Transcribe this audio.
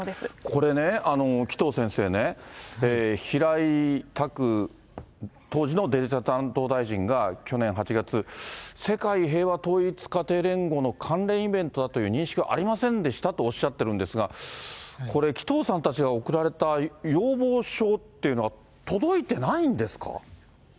これね、紀藤先生ね、平井卓也、当時のデジタル担当大臣が去年８月、世界平和統一家庭連合の関連イベントだという認識はありませんでしたとおっしゃってるんですが、これ、紀藤さんたちが送られた要望書っていうのが届いてないんですか？